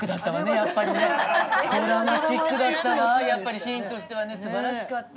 いやあれはシーンとしてはすばらしかった。